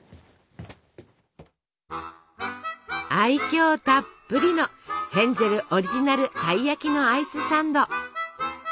愛きょうたっぷりのヘンゼルオリジナルたい焼きのアイスサンド。